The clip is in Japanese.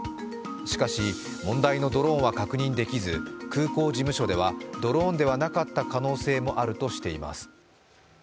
しかし、問題のドローンは確認できず、空港事務所ではドローンではなかった可能性もあるとしています。